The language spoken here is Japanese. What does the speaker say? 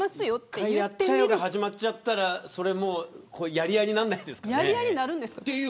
やっちゃえが始まったらやり合いにならないですか。